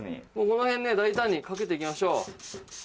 この辺ね大胆にかけて行きましょう。